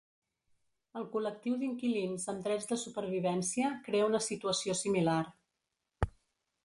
El col·lectiu d'inquilins amb drets de supervivència crea una situació similar.